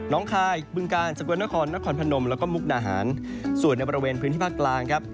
คายบึงกาลสกวนนครนครพนมแล้วก็มุกดาหารส่วนในบริเวณพื้นที่ภาคกลางครับ